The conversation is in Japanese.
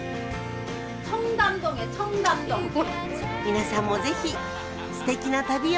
皆さんもぜひすてきな旅を！